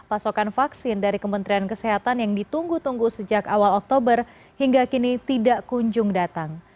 pasokan vaksin dari kementerian kesehatan yang ditunggu tunggu sejak awal oktober hingga kini tidak kunjung datang